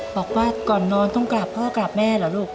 บอกว่าก่อนนอนต้องกราบพ่อกราบแม่เหรอลูก